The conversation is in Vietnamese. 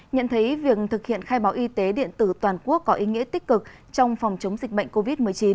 nhận thấy việc thực hiện khai báo y tế điện tử toàn quốc có ý nghĩa tích cực trong phòng chống dịch bệnh covid một mươi chín